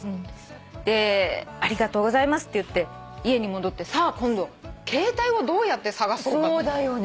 ありがとうございますって言って家に戻ってさあ今度携帯をどうやって捜そうかと。